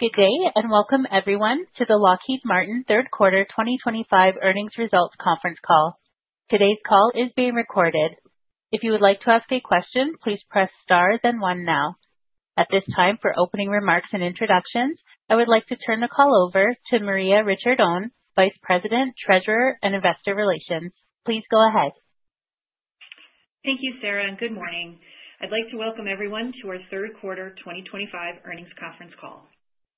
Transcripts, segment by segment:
Good day and welcome, everyone, to the Lockheed Martin Q3 2025 Earnings Results Conference Call. Today's call is being recorded. If you would like to ask a question, please press star then one now. At this time, for opening remarks and introductions, I would like to turn the call over to Maria Ricciardone, Vice President, Treasurer and Investor Relations. Please go ahead. Thank you, Sarah, and good morning. I'd like to welcome everyone to our Q3 2025 Earnings Conference Call.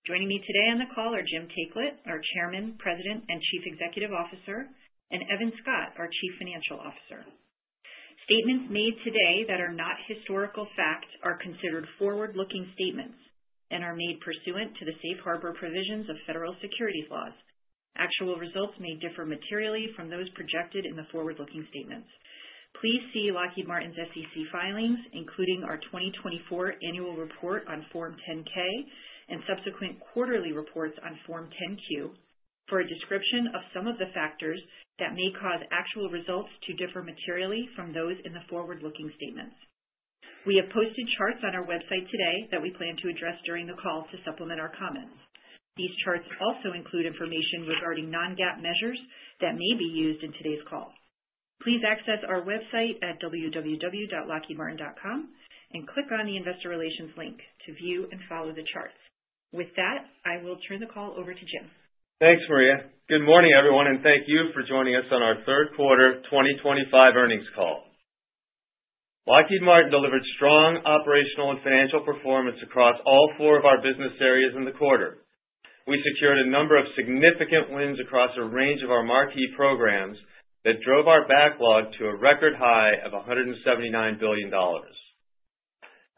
Joining me today on the call are Jim Taiclet, our Chairman, President, and Chief Executive Officer, and Evan Scott, our Chief Financial Officer. Statements made today that are not historical fact are considered forward-looking statements and are made pursuant to the safe harbor provisions of federal securities laws. Actual results may differ materially from those projected in the forward-looking statements. Please see Lockheed Martin's SEC filings, including our 2024 Annual Report on Form 10-K and subsequent quarterly reports on Form 10-Q, for a description of some of the factors that may cause actual results to differ materially from those in the forward-looking statements. We have posted charts on our website today that we plan to address during the call to supplement our comments. These charts also include information regarding non-GAAP measures that may be used in today's call. Please access our website at www.lockheedmartin.com and click on the Investor Relations link to view and follow the charts. With that, I will turn the call over to Jim. Thanks, Maria. Good morning, everyone, and thank you for joining us on our Q3 2025 Earnings Call. Lockheed Martin delivered strong operational and financial performance across all four of our business areas in the quarter. We secured a number of significant wins across a range of our marquee programs that drove our backlog to a record high of $179 billion.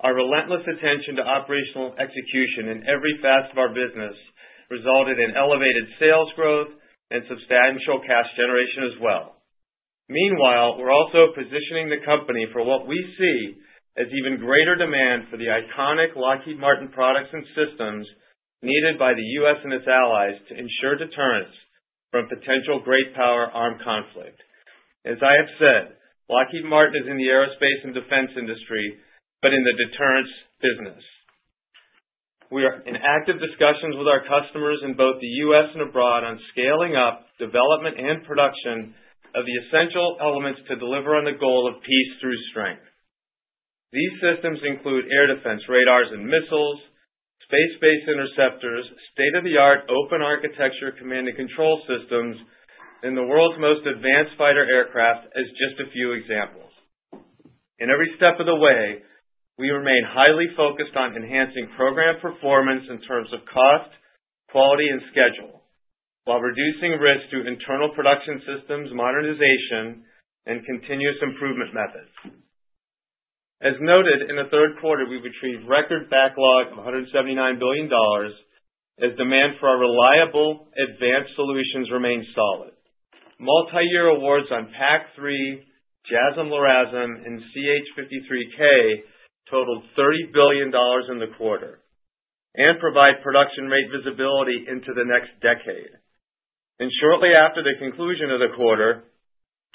Our relentless attention to operational execution in every facet of our business resulted in elevated sales growth and substantial cash generation as well. Meanwhile, we're also positioning the company for what we see as even greater demand for the iconic Lockheed Martin products and systems needed by the U.S. and its allies to ensure deterrence from potential great power armed conflict. As I have said, Lockheed Martin is in the Aerospace and defense industry, but in the deterrence business. We are in active discussions with our customers in both the U.S. and abroad on scaling up development and production of the essential elements to deliver on the goal of peace through strength. These systems include air defense radars and missiles, space-based interceptors, state-of-the-art open architecture command and control systems, and the world's most advanced fighter aircraft as just a few examples. In every step of the way, we remain highly focused on enhancing program performance in terms of cost, quality, and schedule, while reducing risk through internal production systems modernization and continuous improvement methods. As noted, in the Q3, we've achieved record backlog of $179 billion as demand for our reliable, advanced solutions remains solid. Multi-year awards on PAC-3, JASSM, LRASM, and CH-53K totaled $30 billion in the quarter and provide production rate visibility into the next decade. And shortly after the conclusion of the quarter,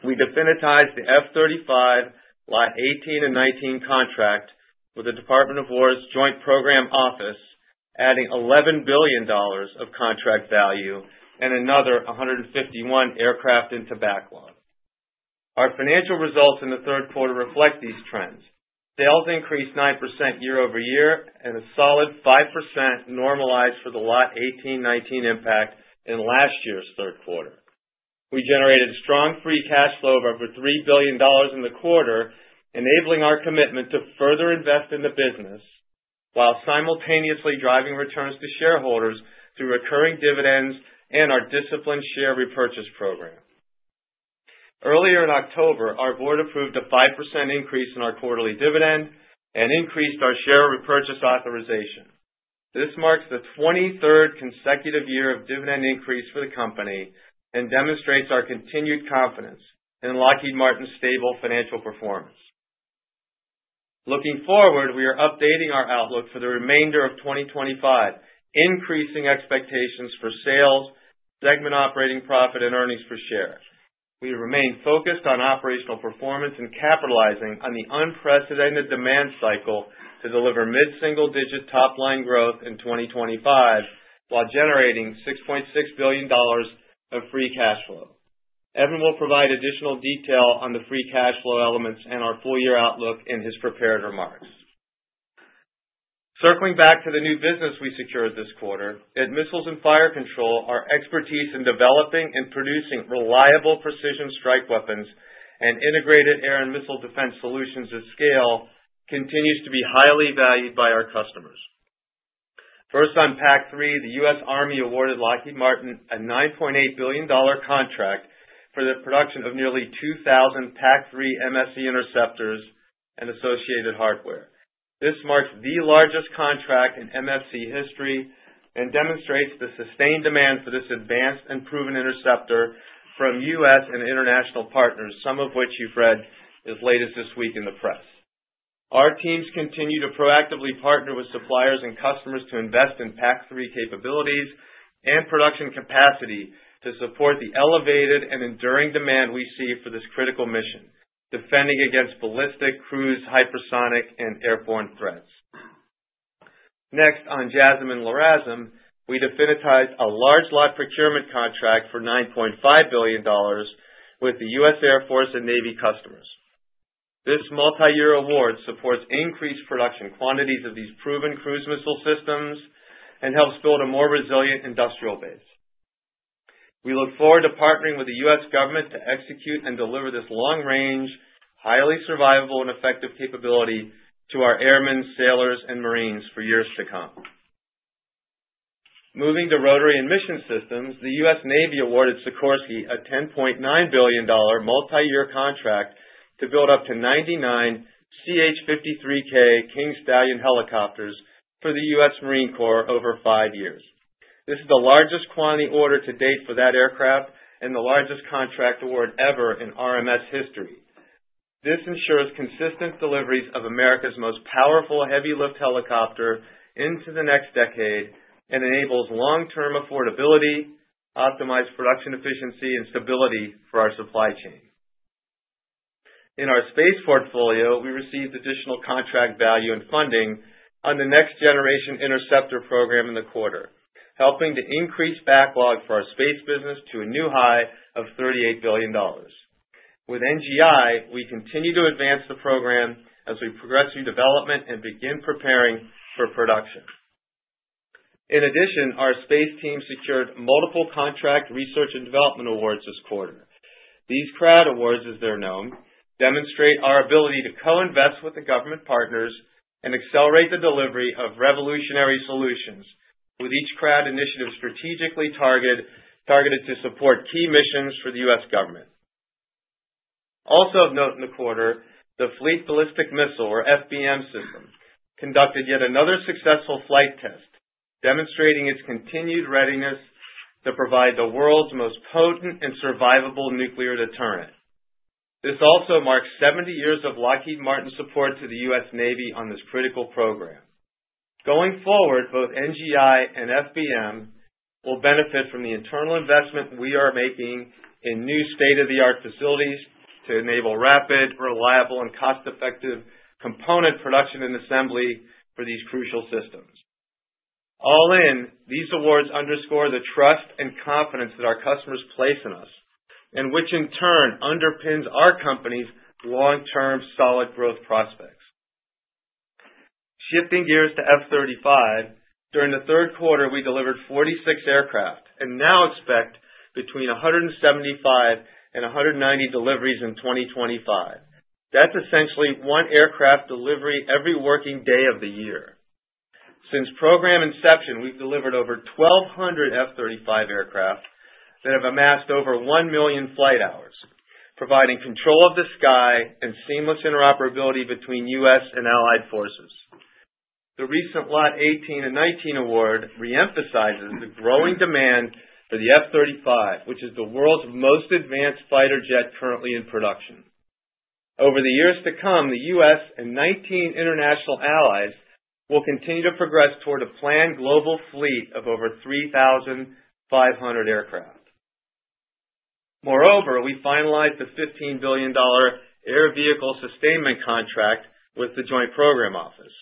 we definitized the F-35 Lot 18 and 19 contract with the Department of Defense's Joint Program Office, adding $11 billion of contract value and another 151 aircraft into backlog. Our financial results in the Q3 reflect these trends. Sales increased 9% year over year and a solid 5% normalized for the Lot 18/19 impact in last year's Q3. We generated strong free cash flow of over $3 billion in the quarter, enabling our commitment to further invest in the business while simultaneously driving returns to shareholders through recurring dividends and our disciplined share repurchase program. Earlier in October, our board approved a 5% increase in our quarterly dividend and increased our share repurchase authorization. This marks the 23rd consecutive year of dividend increase for the company and demonstrates our continued confidence in Lockheed Martin's stable financial performance. Looking forward, we are updating our outlook for the remainder of 2025, increasing expectations for sales, segment operating profit, and earnings per share. We remain focused on operational performance and capitalizing on the unprecedented demand cycle to deliver mid-single-digit top-line growth in 2025 while generating $6.6 billion of free cash flow. Evan will provide additional detail on the free cash flow elements and our full-year outlook in his prepared remarks. Circling back to the new business we secured this quarter, at Missiles and Fire Control, our expertise in developing and producing reliable precision strike weapons and integrated air and missile defense solutions at scale continues to be highly valued by our customers. First, on PAC-3, the U.S. Army awarded Lockheed Martin a $9.8 billion contract for the production of nearly 2,000 PAC-3 MSE interceptors and associated hardware. This marks the largest contract in MSE history and demonstrates the sustained demand for this advanced and proven interceptor from U.S. and international partners, some of which you've read as late as this week in the press. Our teams continue to proactively partner with suppliers and customers to invest in PAC-3 capabilities and production capacity to support the elevated and enduring demand we see for this critical mission, defending against ballistic, cruise, hypersonic, and airborne threats. Next, on JASSM and LRASM, we definitized a large lot procurement contract for $9.5 billion with the U.S. Air Force and Navy customers. This multi-year award supports increased production quantities of these proven cruise missile systems and helps build a more resilient industrial base. We look forward to partnering with the U.S. government to execute and deliver this long-range, highly survivable, and effective capability to our airmen, sailors, and marines for years to come. Moving to rotary and mission systems, the U.S. Navy awarded Sikorsky a $10.9 billion multi-year contract to build up to 99 CH-53K King Stallion helicopters for the U.S. Marine Corps over five years. This is the largest quantity ordered to date for that aircraft and the largest contract award ever in RMS history. This ensures consistent deliveries of America's most powerful heavy-lift helicopter into the next decade and enables long-term affordability, optimized production efficiency, and stability for our supply chain. In our Space portfolio, we received additional contract value and funding on the next-generation interceptor program in the quarter, helping to increase backlog for our Space business to a new high of $38 billion. With NGI, we continue to advance the program as we progress through development and begin preparing for production. In addition, our Space team secured multiple contract research and development awards this quarter. These CRAD awards, as they're known, demonstrate our ability to co-invest with the government partners and accelerate the delivery of revolutionary solutions, with each CRAD initiative strategically targeted to support key missions for the U.S. government. Also of note in the quarter, the Fleet Ballistic Missile, or FBM, system conducted yet another successful flight test, demonstrating its continued readiness to provide the world's most potent and survivable nuclear deterrent. This also marks 70 years of Lockheed Martin support to the U.S. Navy on this critical program. Going forward, both NGI and FBM will benefit from the internal investment we are making in new state-of-the-art facilities to enable rapid, reliable, and cost-effective component production and assembly for these crucial systems. All in, these awards underscore the trust and confidence that our customers place in us, and which in turn underpins our company's long-term solid growth prospects. Shifting gears to F-35, during the Q3, we delivered 46 aircraft and now expect between 175 and 190 deliveries in 2025. That's essentially one aircraft delivery every working day of the year. Since program inception, we've delivered over 1,200 F-35 aircraft that have amassed over 1 million flight hours, providing control of the sky and seamless interoperability between U.S. and allied forces. The recent Lot 18 and 19 award reemphasizes the growing demand for the F-35, which is the world's most advanced fighter jet currently in production. Over the years to come, the U.S. and 19 international allies will continue to progress toward a planned global fleet of over 3,500 aircraft. Moreover, we finalized the $15 billion air vehicle sustainment contract with the Joint Program Office.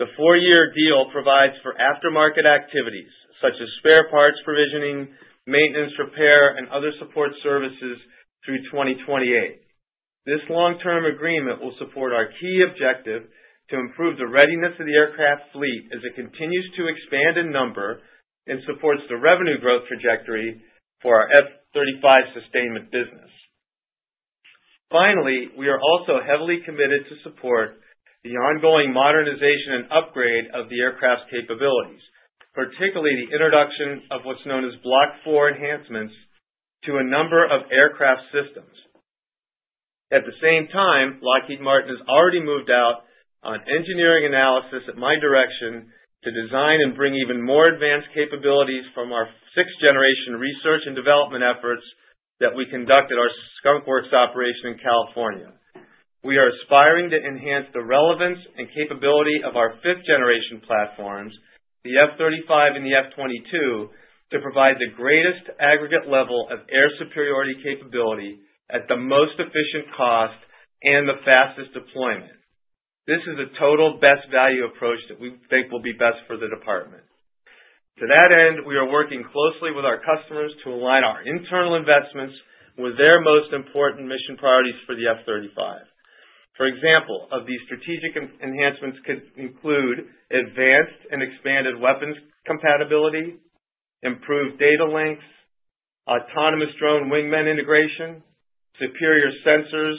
The four-year deal provides for aftermarket activities such as spare parts provisioning, maintenance, repair, and other support services through 2028. This long-term agreement will support our key objective to improve the readiness of the aircraft fleet as it continues to expand in number and supports the revenue growth trajectory for our F-35 sustainment business. Finally, we are also heavily committed to support the ongoing modernization and upgrade of the aircraft's capabilities, particularly the introduction of what's known as Block 4 enhancements to a number of aircraft systems. At the same time, Lockheed Martin has already moved out on engineering analysis at my direction to design and bring even more advanced capabilities from our sixth-generation research and development efforts that we conduct at our Skunk Works operation in California. We are aspiring to enhance the relevance and capability of our fifth-generation platforms, the F-35 and the F-22, to provide the greatest aggregate level of air superiority capability at the most efficient cost and the fastest deployment. This is a total best value approach that we think will be best for the department. To that end, we are working closely with our customers to align our internal investments with their most important mission priorities for the F-35. For example, these strategic enhancements could include advanced and expanded weapons compatibility, improved data links, autonomous drone wingman integration, superior sensors,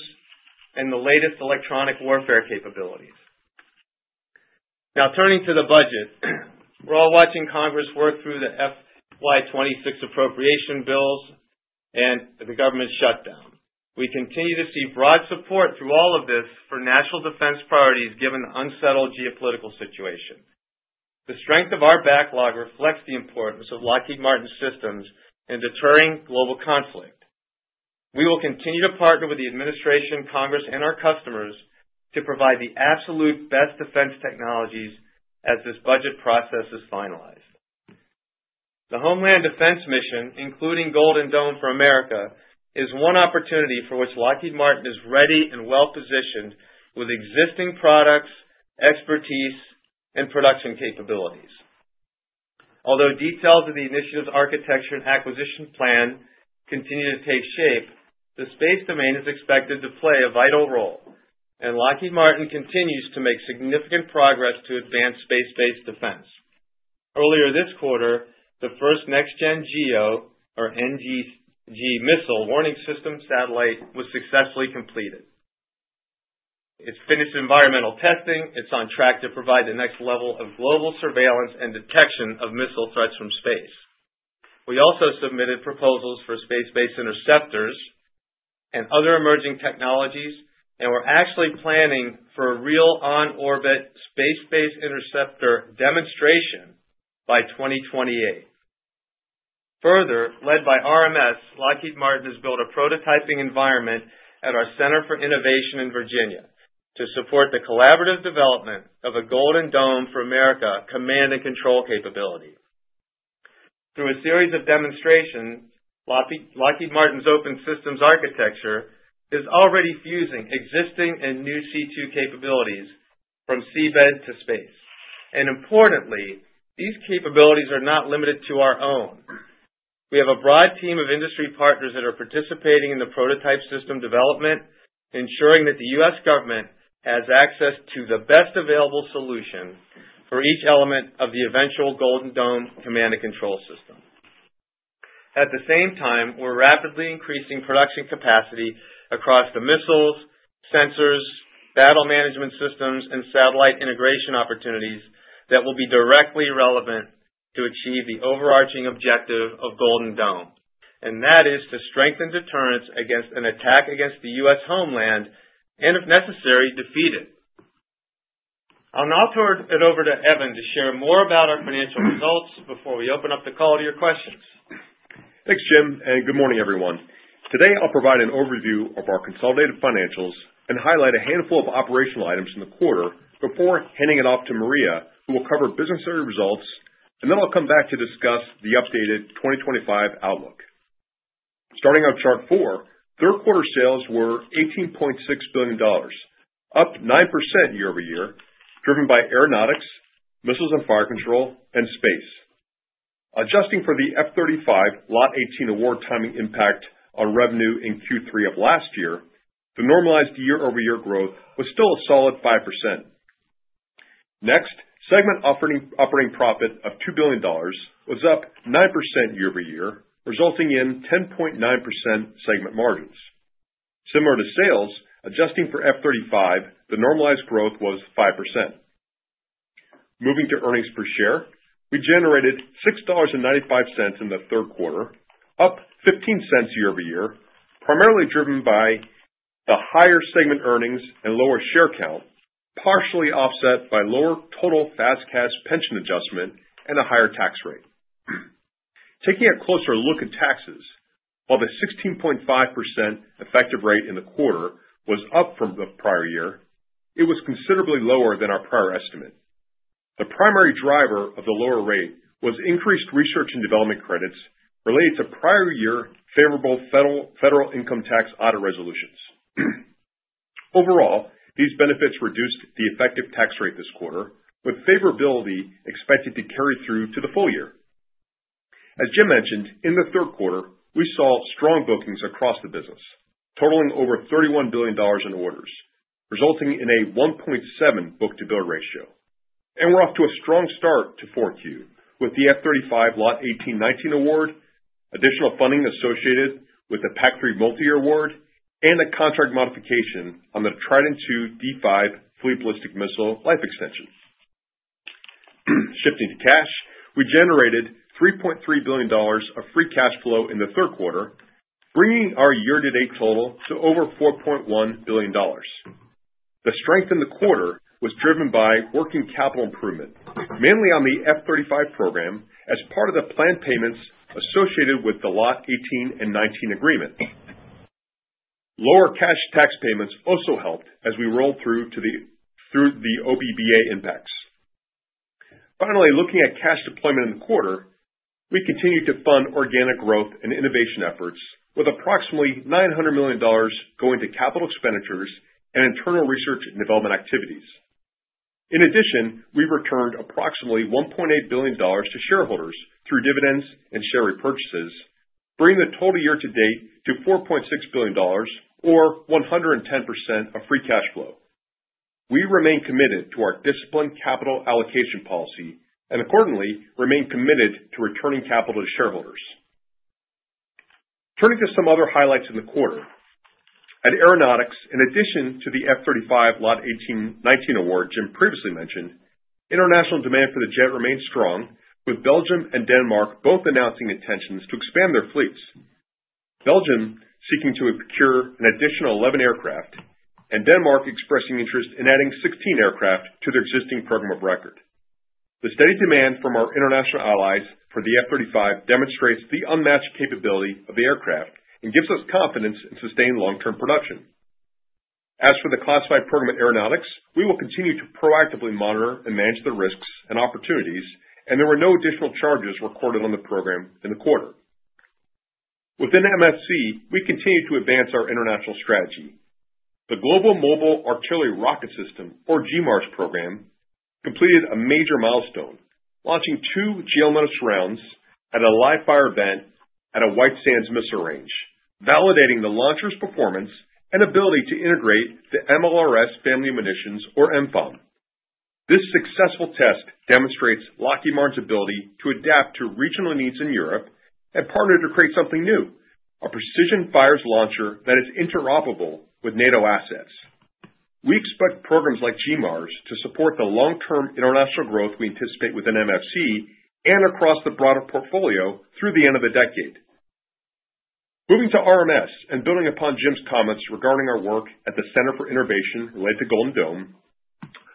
and the latest electronic warfare capabilities. Now, turning to the budget, we're all watching Congress work through the FY26 appropriation bills and the government shutdown. We continue to see broad support through all of this for national defense priorities given the unsettled geopolitical situation. The strength of our backlog reflects the importance of Lockheed Martin systems in deterring global conflict. We will continue to partner with the administration, Congress, and our customers to provide the absolute best defense technologies as this budget process is finalized. The Homeland Defense Mission, including Golden Dome for America, is one opportunity for which Lockheed Martin is ready and well-positioned with existing products, expertise, and production capabilities. Although details of the initiative's architecture and acquisition plan continue to take shape, the Space domain is expected to play a vital role, and Lockheed Martin continues to make significant progress to advance space-based defense. Earlier this quarter, the first next-gen GEO, or NGG, missile warning system satellite was successfully completed. It's finished environmental testing. It's on track to provide the next level of global surveillance and detection of missile threats from space. We also submitted proposals for space-based interceptors and other emerging technologies, and we're actually planning for a real on-orbit space-based interceptor demonstration by 2028. Further, led by RMS, Lockheed Martin has built a prototyping environment at our Center for Innovation in Virginia to support the collaborative development of a Golden Dome for America command and control capability. Through a series of demonstrations, Lockheed Martin's open systems architecture is already fusing existing and new C2 capabilities from seabed to space. And importantly, these capabilities are not limited to our own. We have a broad team of industry partners that are participating in the prototype system development, ensuring that the U.S. government has access to the best available solution for each element of the eventual Golden Dome command and control system. At the same time, we're rapidly increasing production capacity across the missiles, sensors, battle management systems, and satellite integration opportunities that will be directly relevant to achieve the overarching objective of Golden Dome, and that is to strengthen deterrence against an attack against the U.S. Homeland and, if necessary, defeat it. I'll now turn it over to Evan to share more about our financial results before we open up the call to your questions. Thanks, Jim, and good morning, everyone. Today, I'll provide an overview of our consolidated financials and highlight a handful of operational items in the quarter before handing it off to Maria, who will cover business area results, and then I'll come back to discuss the updated 2025 outlook. Starting on chart four, Q3 sales were $18.6 billion, up 9% year over year, driven by Aeronautics, Missiles and Fire Control, and Space. Adjusting for the F-35 Lot 18 award timing impact on revenue in Q3 of last year, the normalized year-over-year growth was still a solid 5%. Next, segment operating profit of $2 billion was up 9% year over year, resulting in 10.9% segment margins. Similar to sales, adjusting for F-35, the normalized growth was 5%. Moving to earnings per share, we generated $6.95 in the Q3, up $0.15 year over year, primarily driven by the higher segment earnings and lower share count, partially offset by lower total FAS/CAS pension adjustment and a higher tax rate. Taking a closer look at taxes, while the 16.5% effective rate in the quarter was up from the prior year, it was considerably lower than our prior estimate. The primary driver of the lower rate was increased research and development credits related to prior-year favorable federal income tax audit resolutions. Overall, these benefits reduced the effective tax rate this quarter, with favorability expected to carry through to the full year. As Jim mentioned, in the Q3, we saw strong bookings across the business, totaling over $31 billion in orders, resulting in a 1.7 book-to-bill ratio. .We're off to a strong start to Q4 with the F-35 Lot 18/19 award, additional funding associated with the PAC-3 multi-year award, and a contract modification on the Trident II D5 Fleet Ballistic Missile life extension. Shifting to cash, we generated $3.3 billion of free cash flow in the Q3, bringing our year-to-date total to over $4.1 billion. The strength in the quarter was driven by working capital improvement, mainly on the F-35 program as part of the planned payments associated with the Lot 18 and 19 agreement. Lower cash tax payments also helped as we rolled through the OBBA impacts. Finally, looking at cash deployment in the quarter, we continued to fund organic growth and innovation efforts, with approximately $900 million going to capital expenditures and internal research and development activities. In addition, we returned approximately $1.8 billion to shareholders through dividends and share repurchases, bringing the total year-to-date to $4.6 billion, or 110% of free cash flow. We remain committed to our disciplined capital allocation policy and, accordingly, remain committed to returning capital to shareholders. Turning to some other highlights in the quarter, at Aeronautics, in addition to the F-35 Lot 18/19 award Jim previously mentioned, international demand for the jet remained strong, with Belgium and Denmark both announcing intentions to expand their fleets. Belgium seeking to procure an additional 11 aircraft, and Denmark expressing interest in adding 16 aircraft to their existing program of record. The steady demand from our international allies for the F-35 demonstrates the unmatched capability of the aircraft and gives us confidence in sustained long-term production. As for the classified program at Aeronautics, we will continue to proactively monitor and manage the risks and opportunities, and there were no additional charges recorded on the program in the quarter. Within MFC, we continue to advance our international strategy. The Global Mobile Artillery Rocket System, or GMARS program, completed a major Mylestone, launching two GMLRS rounds at a live fire event at White Sands Missile Range, validating the launcher's performance and ability to integrate the MLRS family of munitions, or MFOM. This successful test demonstrates Lockheed Martin's ability to adapt to regional needs in Europe and partner to create something new, a precision fires launcher that is interoperable with NATO assets. We expect programs like GMARS to support the long-term international growth we anticipate within MFC and across the broader portfolio through the end of the decade. Moving to RMS and building upon Jim's comments regarding our work at the Center for Innovation related to Golden Dome,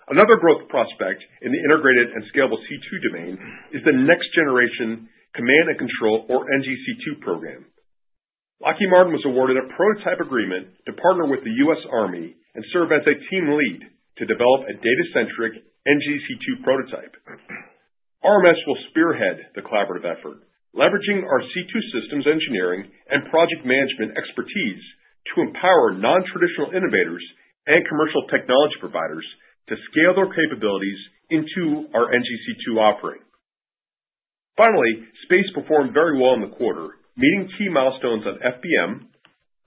another growth prospect in the integrated and scalable C2 domain is the next-generation command and control, or NGC2 program. Lockheed Martin was awarded a prototype agreement to partner with the U.S. Army and serve as a team lead to develop a data-centric NGC2 prototype. RMS will spearhead the collaborative effort, leveraging our C2 systems engineering and project management expertise to empower non-traditional innovators and commercial technology providers to scale their capabilities into our NGC2 offering. Finally, Space performed very well in the quarter, meeting key Mylestones on FBM,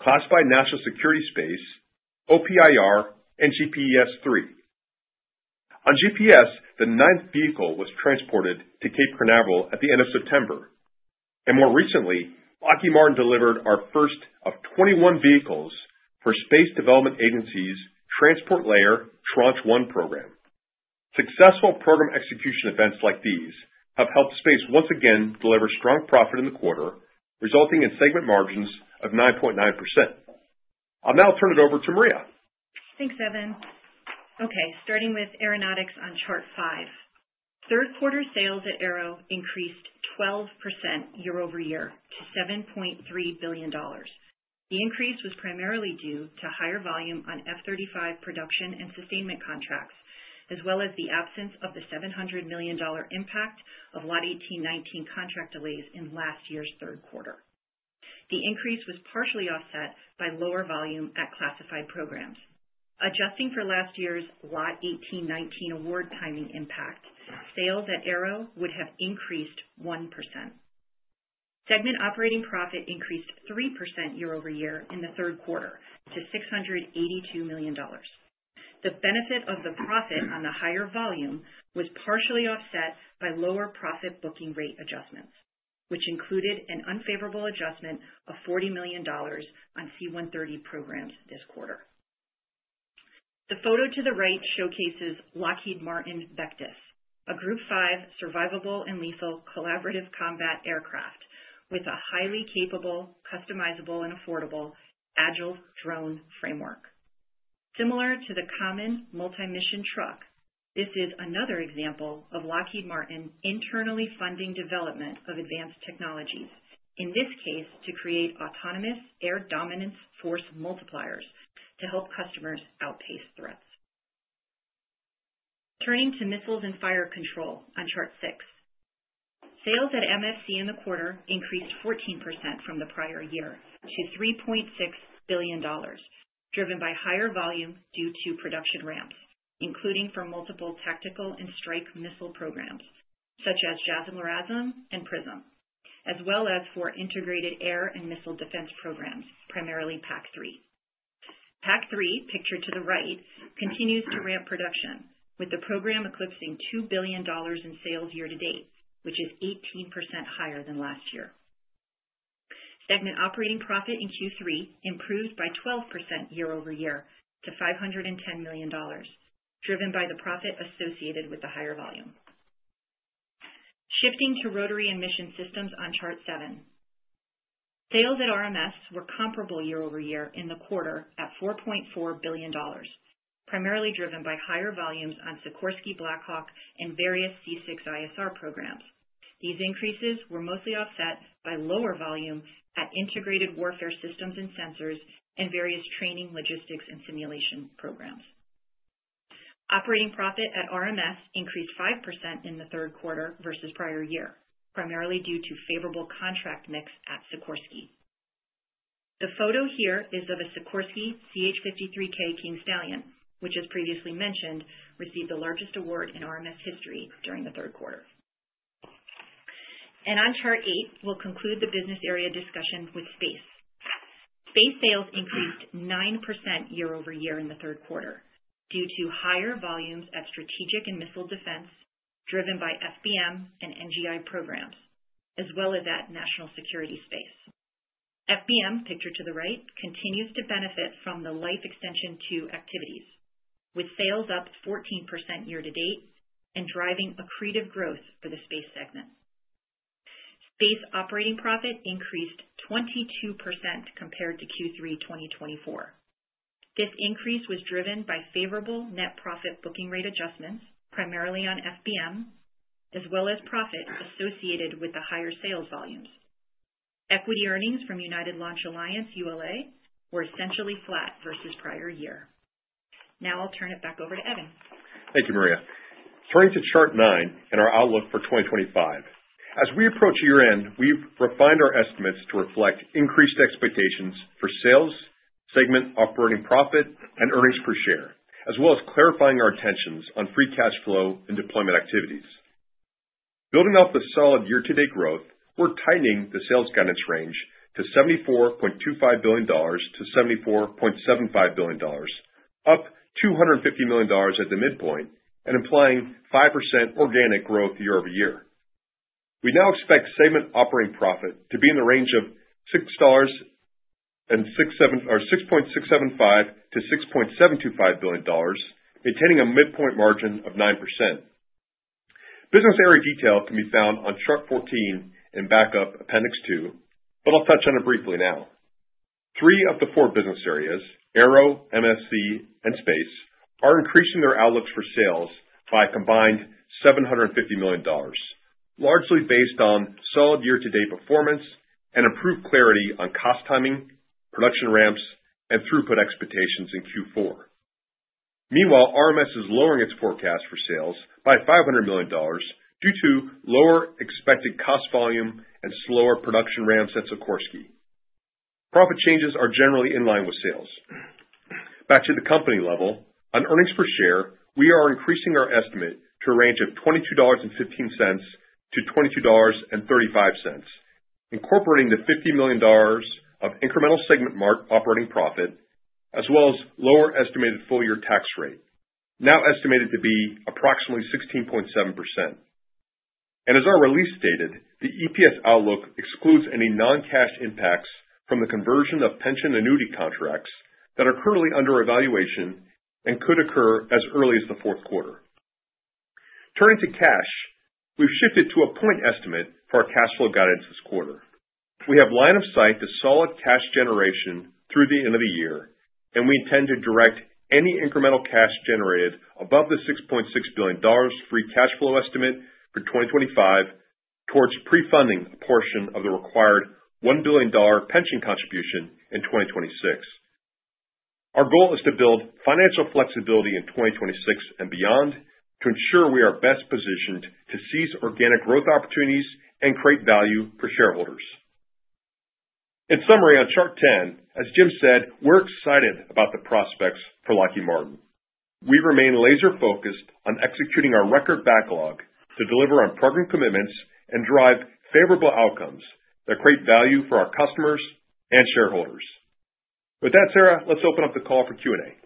classified National Security Space, OPIR, and GPS III. On GPS, the ninth vehicle was transported to Cape Canaveral at the end of September, and more recently, Lockheed Martin delivered our first of 21 vehicles for Space Development Agency's Transport Layer Tranche One program. Successful program execution events like these have helped Space once again deliver strong profit in the quarter, resulting in segment margins of 9.9%. I'll now turn it over to Maria. Thanks, Evan. Okay, starting with Aeronautics on chart five. Q3 sales at Aero increased 12% year over year to $7.3 billion. The increase was primarily due to higher volume on F-35 production and sustainment contracts, as well as the absence of the $700 million impact of Lot 18/19 contract delays in last year's Q3. The increase was partially offset by lower volume at classified programs. Adjusting for last year's Lot 18/19 award timing impact, sales at Aero would have increased 1%. Segment operating profit increased 3% year over year in the Q3 to $682 million. The benefit of the profit on the higher volume was partially offset by lower profit booking rate adjustments, which included an unfavorable adjustment of $40 million on C-130 programs this quarter. The photo to the right showcases Lockheed Martin Vectis, a Group 5 survivable and lethal Collaborative Combat Aircraft with a highly capable, customizable, and affordable agile drone framework. Similar to the common multi-mission truck, this is another example of Lockheed Martin internally funding development of advanced technologies, in this case to create autonomous air dominance force multipliers to help customers outpace threats. Turning to Missiles and Fire Control on chart six. Sales at MFC in the quarter increased 14% from the prior year to $3.6 billion, driven by higher volume due to production ramps, including for multiple tactical and strike missile programs such as JASSM, LRASM, and PrSM, as well as for integrated air and missile defense programs, primarily PAC-3. PAC-3, pictured to the right, continues to ramp production, with the program eclipsing $2 billion in sales year-to-date, which is 18% higher than last year. Segment operating profit in Q3 improved by 12% year over year to $510 million, driven by the profit associated with the higher volume. Shifting to rotary and mission systems on chart seven. Sales at RMS were comparable year over year in the quarter at $4.4 billion, primarily driven by higher volumes on Sikorsky Black Hawk and various C6 ISR programs. These increases were mostly offset by lower volume at integrated warfare systems and sensors and various training, logistics, and simulation programs. Operating profit at RMS increased 5% in the Q3 versus prior year, primarily due to favorable contract mix at Sikorsky. The photo here is of a Sikorsky CH-53K King Stallion, which, as previously mentioned, received the largest award in RMS history during the Q3, and on chart eight, we'll conclude the business area discussion with Space. Space sales increased 9% year over year in the Q3 due to higher volumes at strategic and missile defense driven by FBM and NGI programs, as well as at National Security Space. FBM, pictured to the right, continues to benefit from the life extension two activities, with sales up 14% year-to-date and driving accretive growth for the Space segment. Space operating profit increased 22% compared to Q3 2024. This increase was driven by favorable net profit booking rate adjustments, primarily on FBM, as well as profit associated with the higher sales volumes. Equity earnings from United Launch Alliance, ULA, were essentially flat versus prior year. Now I'll turn it back over to Evan. Thank you, Maria. Turning to chart nine and our outlook for 2025. As we approach year-end, we've refined our estimates to reflect increased expectations for sales, segment operating profit, and earnings per share, as well as clarifying our intentions on free cash flow and deployment activities. Building off the solid year-to-date growth, we're tightening the sales guidance range to $74.25 billion-$74.75 billion, up $250 million at the midpoint, and implying 5% organic growth year over year. We now expect segment operating profit to be in the range of $6.675 billion-$6.725 billion, maintaining a midpoint margin of 9%. Business area detail can be found on chart 14 and backup appendix two, but I'll touch on it briefly now. Three of the four business areas, Arrow, MFC, and Space, are increasing their outlooks for sales by a combined $750 million, largely based on solid year-to-date performance and improved clarity on cost timing, production ramps, and throughput expectations in Q4. Meanwhile, RMS is lowering its forecast for sales by $500 million due to lower expected cost volume and slower production ramps at Sikorsky. Profit changes are generally in line with sales. Back to the company level, on earnings per share, we are increasing our estimate to a range of $22.15-$22.35, incorporating the $50 million of incremental segment margin operating profit, as well as lower estimated full-year tax rate, now estimated to be approximately 16.7%, and as our release stated, the EPS outlook excludes any non-cash impacts from the conversion of pension annuity contracts that are currently under evaluation and could occur as early as the Q4. Turning to cash, we've shifted to a point estimate for our cash flow guidance this quarter. We have line of sight to solid cash generation through the end of the year, and we intend to direct any incremental cash generated above the $6.6 billion free cash flow estimate for 2025 towards pre-funding a portion of the required $1 billion pension contribution in 2026. Our goal is to build financial flexibility in 2026 and beyond to ensure we are best positioned to seize organic growth opportunities and create value for shareholders. In summary, on chart 10, as Jim said, we're excited about the prospects for Lockheed Martin. We remain laser-focused on executing our record backlog to deliver on program commitments and drive favorable outcomes that create value for our customers and shareholders. With that, Sarah, let's open up the call for Q&A.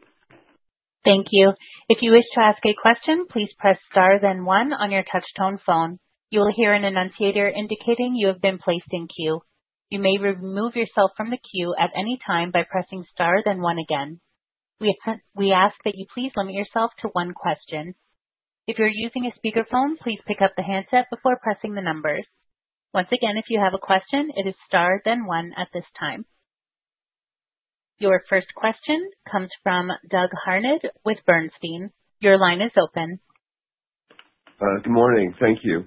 Thank you. If you wish to ask a question, please press star then one on your touch-tone phone. You will hear an annunciator indicating you have been placed in queue. You may remove yourself from the queue at any time by pressing star then one again. We ask that you please limit yourself to one question. If you're using a speakerphone, please pick up the handset before pressing the numbers. Once again, if you have a question, it is star then one at this time. Your first question comes from Doug Harned with Bernstein. Your line is open. Good morning. Thank you.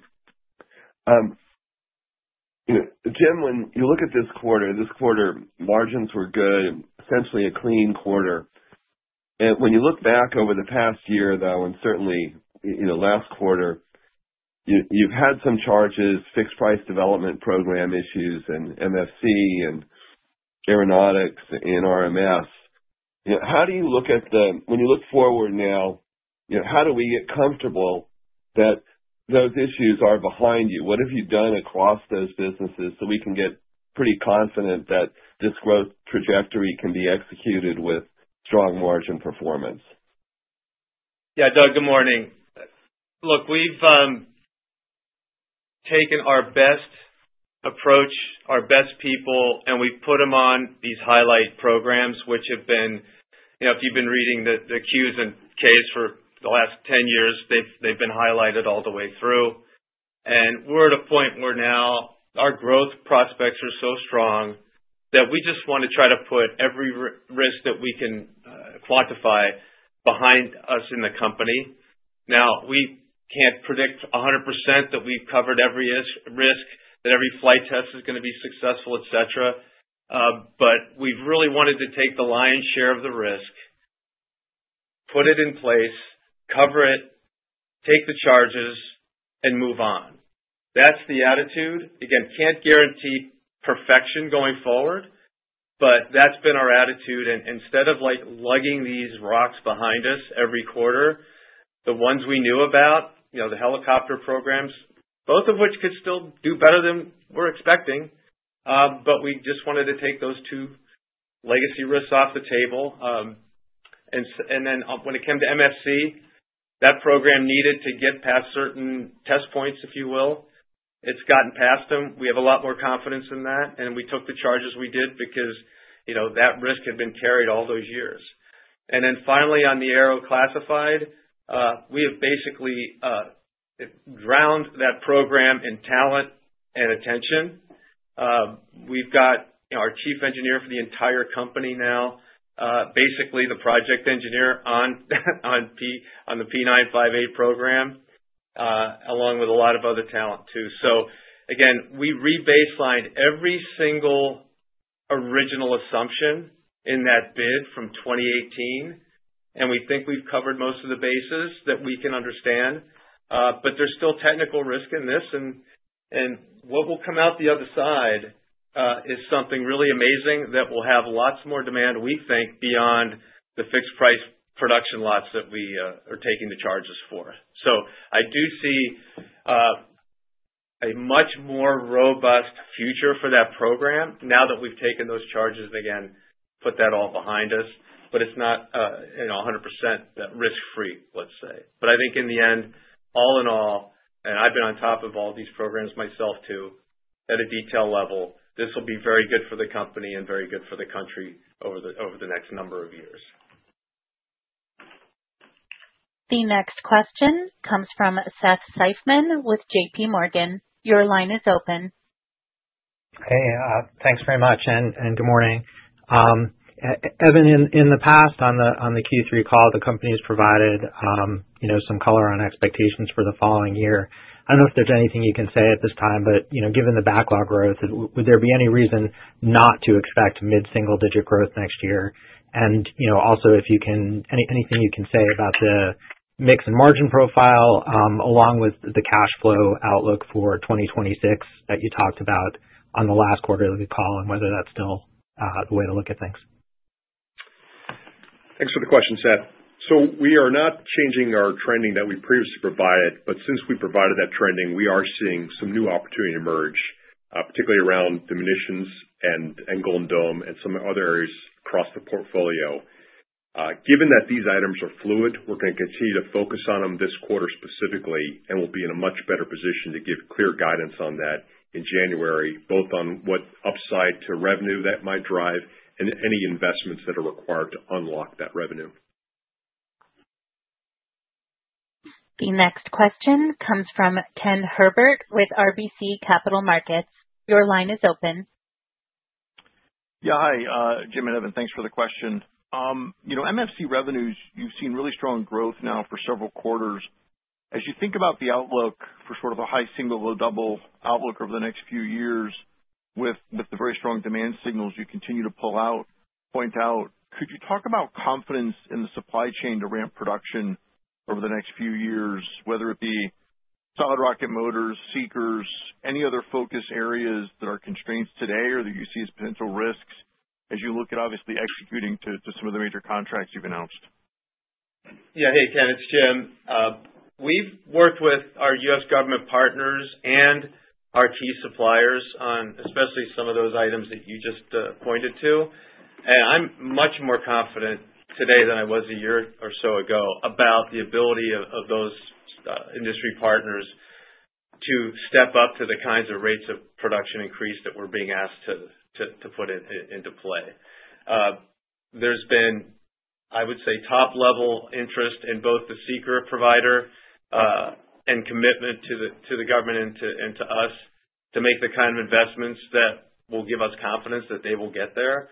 Jim, when you look at this quarter, this quarter margins were good, essentially a clean quarter, and when you look back over the past year, though, and certainly last quarter, you've had some charges, fixed price development program issues in MFC and Aeronautics in RMS. How do you look at the, when you look forward now, how do we get comfortable that those issues are behind you? What have you done across those businesses so we can get pretty confident that this growth trajectory can be executed with strong margin performance? Yeah, Doug, good morning. Look, we've taken our best approach, our best people, and we've put them on these highlight programs, which have been, if you've been reading the Qs and Ks for the last 10 years, they've been highlighted all the way through. And we're at a point where now our growth prospects are so strong that we just want to try to put every risk that we can quantify behind us in the company. Now, we can't predict 100% that we've covered every risk, that every flight test is going to be successful, et cetera. But we've really wanted to take the lion's share of the risk, put it in place, cover it, take the charges, and move on. That's the attitude. Again, can't guarantee perfection going forward, but that's been our attitude. And instead of lugging these rocks behind us every quarter, the ones we knew about, the helicopter programs, both of which could still do better than we're expecting, but we just wanted to take those two legacy risks off the table. And then when it came to MFC, that program needed to get past certain test points, if you will. It's gotten past them. We have a lot more confidence in that, and we took the charges we did because that risk had been carried all those years. And then finally, on the Arrow classified, we have basically drowned that program in talent and attention. We've got our chief engineer for the entire company now, basically the project engineer on the P958 program, along with a lot of other talent too. So again, we rebaselined every single original assumption in that bid from 2018, and we think we've covered most of the bases that we can understand. But there's still technical risk in this, and what will come out the other side is something really amazing that will have lots more demand, we think, beyond the fixed price production lots that we are taking the charges for. So I do see a much more robust future for that program now that we've taken those charges and again, put that all behind us, but it's not 100% risk-free, let's say. But I think in the end, all in all, and I've been on top of all these programs myself too, at a detail level, this will be very good for the company and very good for the country over the next number of years. The next question comes from Seth Seifman with JPMorgan. Your line is open. Hey, thanks very much, and good morning. Evan, in the past, on the Q3 call, the company has provided some color on expectations for the following year. I don't know if there's anything you can say at this time, but given the backlog growth, would there be any reason not to expect mid-single-digit growth next year? And also, if you can, anything you can say about the mix and margin profile along with the cash flow outlook for 2026 that you talked about on the last quarter of the call and whether that's still the way to look at things? Thanks for the question, Seth. So we are not changing our trending that we previously provided, but since we provided that trending, we are seeing some new opportunity emerge, particularly around the munitions and Golden Dome and some other areas across the portfolio. Given that these items are fluid, we're going to continue to focus on them this quarter specifically and will be in a much better position to give clear guidance on that in January, both on what upside to revenue that might drive and any investments that are required to unlock that revenue. The next question comes from Ken Herbert with RBC Capital Markets. Your line is open. Yeah, hi, Jim and Evan. Thanks for the question. MFC revenues, you've seen really strong growth now for several quarters. As you think about the outlook for sort of a high single, low double outlook over the next few years with the very strong demand signals you continue to pull out, point out, could you talk about confidence in the supply chain to ramp production over the next few years, whether it be solid rocket motors, seekers, any other focus areas that are constraints today or that you see as potential risks as you look at obviously executing to some of the major contracts you've announced? Yeah, hey, Ken, it's Jim. We've worked with our U.S. government partners and our key suppliers on especially some of those items that you just pointed to. And I'm much more confident today than I was a year or so ago about the ability of those industry partners to step up to the kinds of rates of production increase that we're being asked to put into play. There's been, I would say, top-level interest in both the seeker provider and commitment to the government and to us to make the kind of investments that will give us confidence that they will get there.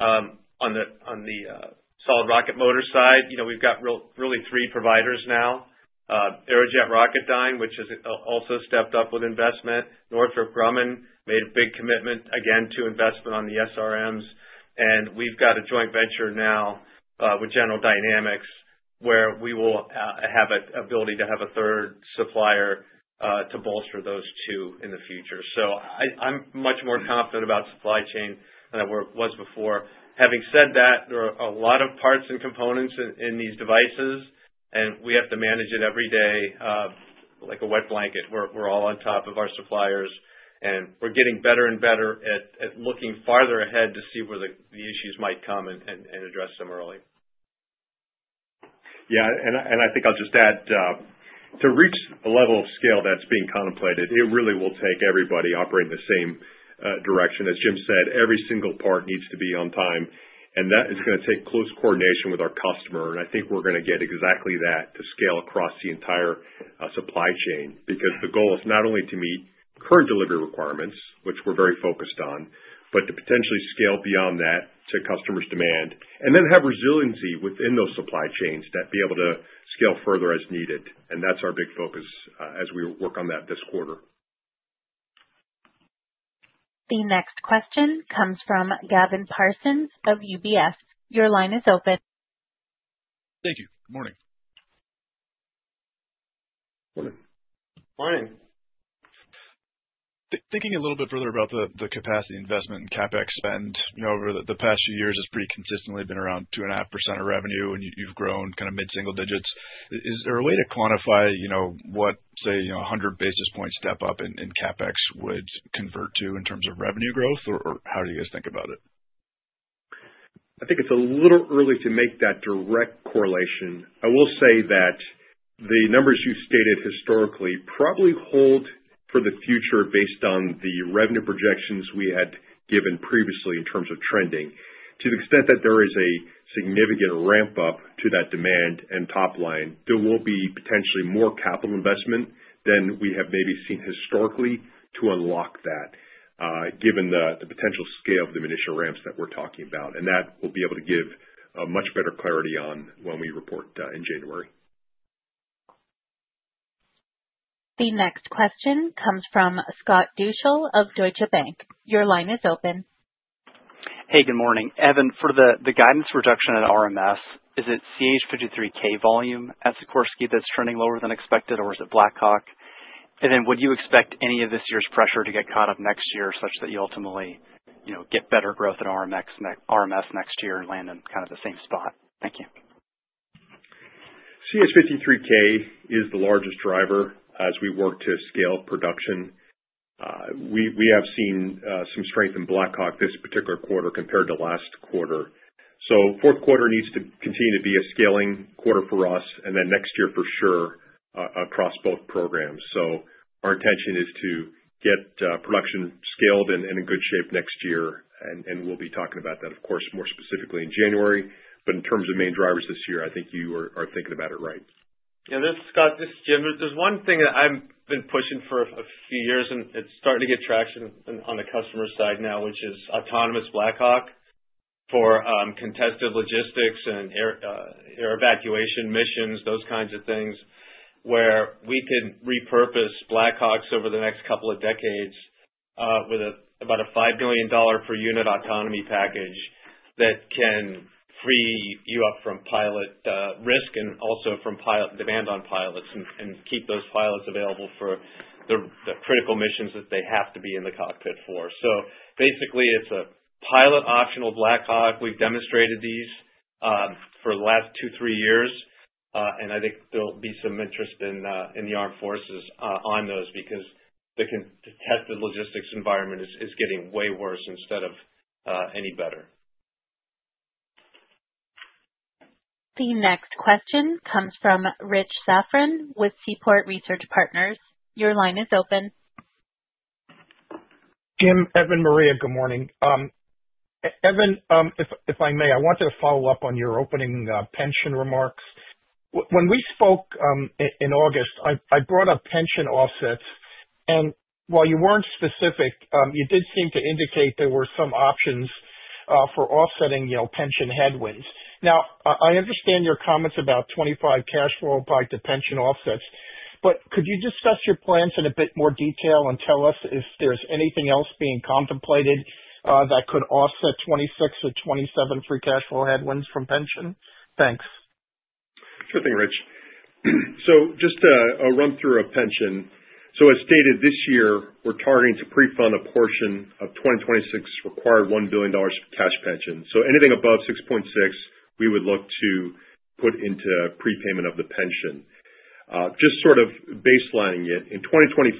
On the solid rocket motor side, we've got really three providers now. Aerojet Rocketdyne, which has also stepped up with investment. Northrop Grumman made a big commitment, again, to investment on the SRMs. And we've got a joint venture now with General Dynamics where we will have an ability to have a third supplier to bolster those two in the future. So I'm much more confident about supply chain than I was before. Having said that, there are a lot of parts and components in these devices, and we have to manage it every day like a wet blanket. We're all on top of our suppliers, and we're getting better and better at looking farther ahead to see where the issues might come and address them early. Yeah, and I think I'll just add, to reach the level of scale that's being contemplated, it really will take everybody operating the same direction. As Jim said, every single part needs to be on time, and that is going to take close coordination with our customer. And I think we're going to get exactly that to scale across the entire supply chain because the goal is not only to meet current delivery requirements, which we're very focused on, but to potentially scale beyond that to customers' demand and then have resiliency within those supply chains that be able to scale further as needed. And that's our big focus as we work on that this quarter. The next question comes from Gavin Parsons of UBS. Your line is open. Thank you. Good morning. Morning. Morning. Thinking a little bit further about the capacity investment and CapEx spend over the past few years, it's pretty consistently been around 2.5% of revenue, and you've grown kind of mid-single digits. Is there a way to quantify what, say, 100 basis points step up in CapEx would convert to in terms of revenue growth, or how do you guys think about it? I think it's a little early to make that direct correlation. I will say that the numbers you stated historically probably hold for the future based on the revenue projections we had given previously in terms of trending. To the extent that there is a significant ramp-up to that demand and top line, there will be potentially more capital investment than we have maybe seen historically to unlock that, given the potential scale of the munitions ramps that we're talking about, and that will be able to give much better clarity on when we report in January. The next question comes from Scott Deuschle of Deutsche Bank. Your line is open. Hey, good morning. Evan, for the guidance reduction at RMS, is it CH-53K volume at Sikorsky that's trending lower than expected, or is it Black Hawk? And then would you expect any of this year's pressure to get caught up next year such that you ultimately get better growth in RMS next year and land in kind of the same spot? Thank you. CH-53K is the largest driver as we work to scale production. We have seen some strength in Black Hawk this particular quarter compared to last quarter. So Q4 needs to continue to be a scaling quarter for us, and then next year for sure across both programs. So our intention is to get production scaled and in good shape next year, and we'll be talking about that, of course, more specifically in January. But in terms of main drivers this year, I think you are thinking about it right. Yeah, Scott, this is Jim. There's one thing that I've been pushing for a few years, and it's starting to get traction on the customer side now, which is autonomous Black Hawk for contested logistics and air evacuation missions, those kinds of things, where we can repurpose Black Hawks over the next couple of decades with about a $5 billion per unit autonomy package that can free you up from pilot risk and also from demand on pilots and keep those pilots available for the critical missions that they have to be in the cockpit for. So basically, it's a pilot optional Black Hawk. We've demonstrated these for the last two, three years, and I think there'll be some interest in the armed forces on those because the contested logistics environment is getting way worse instead of any better. The next question comes from Rich Safran with Seaport Research Partners. Your line is open. Jim, Evan, Maria, good morning. Evan, if I may, I wanted to follow up on your opening pension remarks. When we spoke in August, I brought up pension offsets, and while you weren't specific, you did seem to indicate there were some options for offsetting pension headwinds. Now, I understand your comments about 2025 cash flow impacted pension offsets, but could you discuss your plans in a bit more detail and tell us if there's anything else being contemplated that could offset 2026 or 2027 free cash flow headwinds from pension? Thanks. Sure thing, Rich. So just a run-through of pension. So as stated, this year, we're targeting to pre-fund a portion of 2026's required $1 billion cash pension. So anything above $6.6 billion, we would look to put into pre-payment of the pension. Just sort of baselining it. In 2025,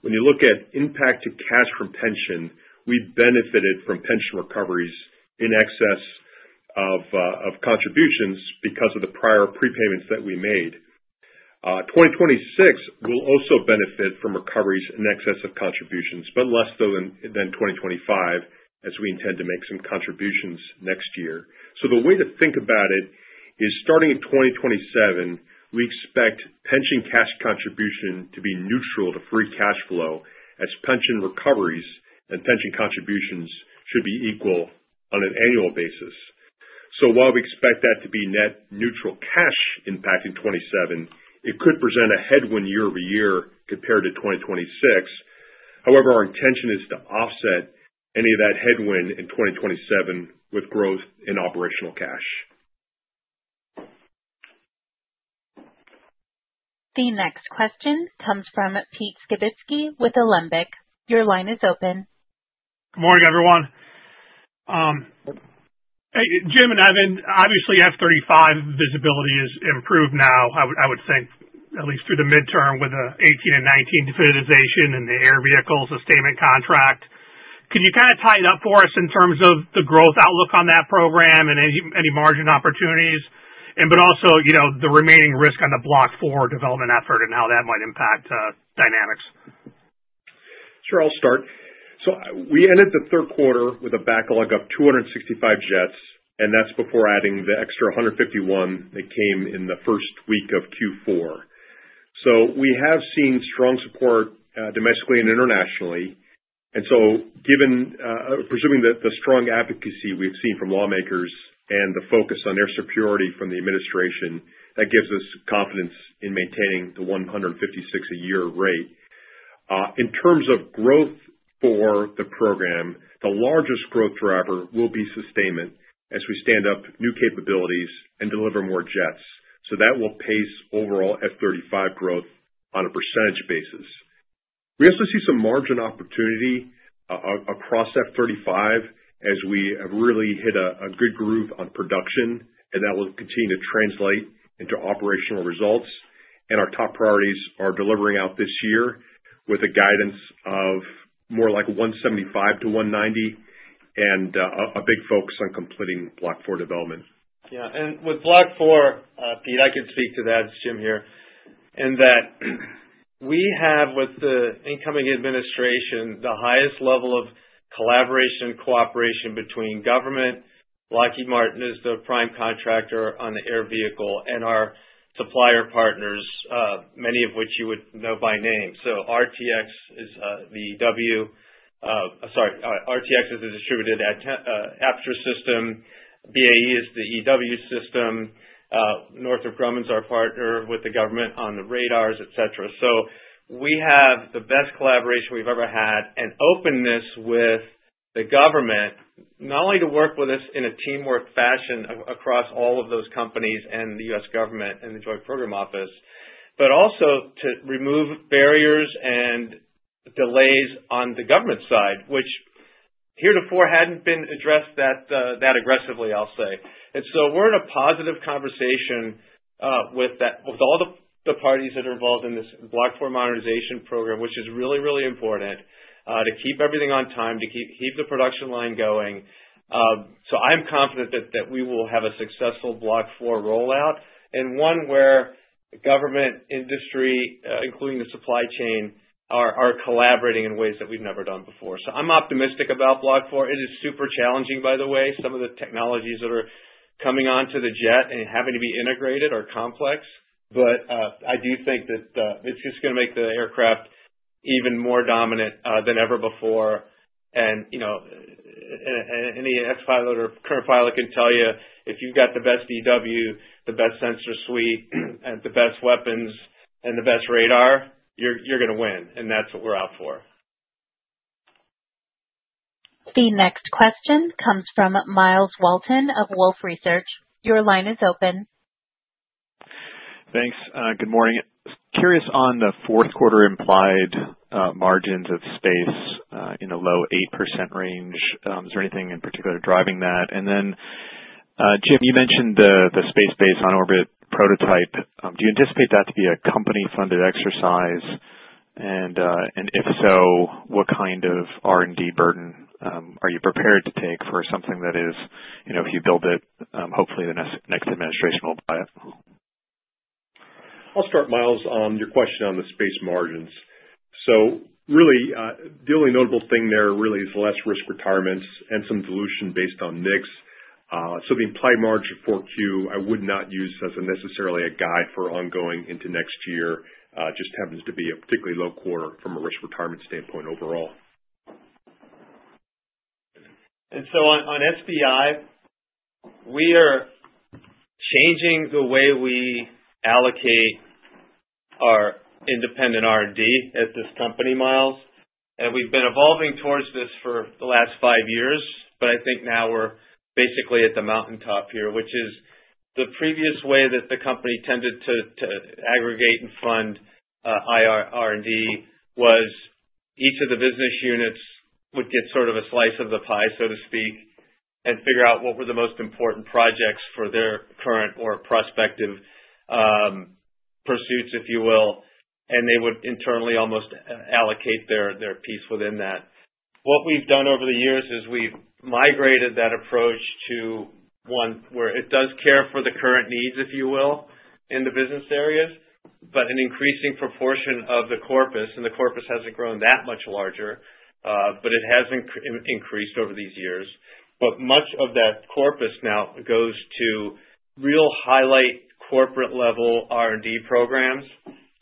when you look at impact to cash from pension, we've benefited from pension recoveries in excess of contributions because of the prior pre-payments that we made. 2026 will also benefit from recoveries in excess of contributions, but less so than 2025, as we intend to make some contributions next year. So the way to think about it is starting in 2027, we expect pension cash contribution to be neutral to free cash flow as pension recoveries and pension contributions should be equal on an annual basis. So while we expect that to be net neutral cash impact in 2027, it could present a headwind year-over-year compared to 2026. However, our intention is to offset any of that headwind in 2027 with growth in operational cash. The next question comes from Pete Skibitski with Alembic. Your line is open. Good morning, everyone. Jim and Evan, obviously, F-35 visibility has improved now, I would think, at least through the midterm with the 2018 and 2019 definitization and the air vehicle sustainment contract. Can you kind of tie it up for us in terms of the growth outlook on that program and any margin opportunities, but also the remaining risk on the Block 4 development effort and how that might impact dynamics? Sure, I'll start so we ended the Q3 with a backlog of 265 jets, and that's before adding the extra 151 that came in the first week of Q4. So we have seen strong support domestically and internationally, and so presuming the strong advocacy we've seen from lawmakers and the focus on air security from the administration, that gives us confidence in maintaining the 156 a year rate. In terms of growth for the program, the largest growth driver will be sustainment as we stand up new capabilities and deliver more jets. So that will pace overall F-35 growth on a percentage basis. We also see some margin opportunity across F-35 as we have really hit a good groove on production, and that will continue to translate into operational results. And our top priorities are delivering out this year with a guidance of more like 175-190 and a big focus on completing block four development. Yeah. And with block four, Pete, I could speak to that, Jim here, in that we have with the incoming administration the highest level of collaboration and cooperation between government. Lockheed Martin is the prime contractor on the air vehicle and our supplier partners, many of which you would know by name. So RTX is the distributed aperture system. BAE is the EW system. Northrop Grumman is our partner with the government on the radars, etc. So we have the best collaboration we've ever had and openness with the government, not only to work with us in a teamwork fashion across all of those companies and the U.S. government and the Joint Program Office, but also to remove barriers and delays on the government side, which heretofore hadn't been addressed that aggressively, I'll say. And so we're in a positive conversation with all the parties that are involved in this Block 4 modernization program, which is really, really important to keep everything on time, to keep the production line going. So I'm confident that we will have a successful Block 4 rollout and one where government, industry, including the supply chain, are collaborating in ways that we've never done before. So I'm optimistic about Block 4. It is super challenging, by the way. Some of the technologies that are coming onto the jet and having to be integrated are complex, but I do think that it's just going to make the aircraft even more dominant than ever before. And any ex-pilot or current pilot can tell you if you've got the best EW, the best sensor suite, and the best weapons and the best radar, you're going to win. And that's what we're out for. The next question comes from Myles Walton of Wolfe Research. Your line is open. Thanks. Good morning. Curious on the Q4 implied margins of Space in a low 8% range. Is there anything in particular driving that? And then, Jim, you mentioned the space-based on-orbit prototype. Do you anticipate that to be a company-funded exercise? And if so, what kind of R&D burden are you prepared to take for something that is, if you build it, hopefully the next administration will buy it? I'll start, Myles, on your question on the Space margins. So really, the only notable thing there really is less risk retirements and some dilution based on NICS. So the implied margin for Q4, I would not use as necessarily a guide for ongoing into next year. It just happens to be a particularly low quarter from a risk retirement standpoint overall. And so on SBI, we are changing the way we allocate our independent R&D at this company, Myles. And we've been evolving towards this for the last five years, but I think now we're basically at the mountaintop here, which is the previous way that the company tended to aggregate and fund R&D was each of the business units would get sort of a slice of the pie, so to speak, and figure out what were the most important projects for their current or prospective pursuits, if you will, and they would internally almost allocate their piece within that. What we've done over the years is we've migrated that approach to one where it does care for the current needs, if you will, in the business areas, but an increasing proportion of the corpus, and the corpus hasn't grown that much larger, but it has increased over these years. But much of that corpus now goes to real highlight corporate-level R&D programs.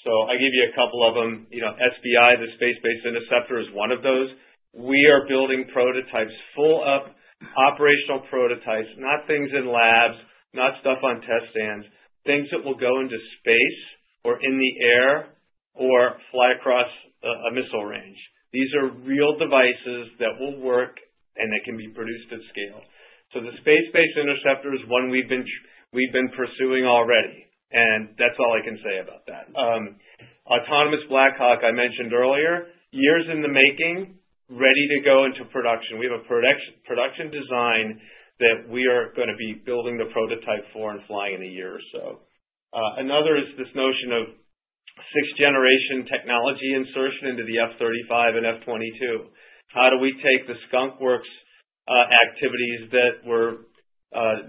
So, I give you a couple of them. SBI, the space-based interceptor, is one of those. We are building prototypes, full-up operational prototypes, not things in labs, not stuff on test stands, things that will go into space or in the air or fly across a missile range. These are real devices that will work and that can be produced at scale. So the space-based interceptor is one we've been pursuing already, and that's all I can say about that. Autonomous Black Hawk I mentioned earlier, years in the making, ready to go into production. We have a production design that we are going to be building the prototype for and flying in a year or so. Another is this notion of sixth-generation technology insertion into the F-35 and F-22. How do we take the Skunk Works activities that were